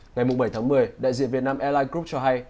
ngày bảy tháng một mươi đại diện việt nam airlines group cho hay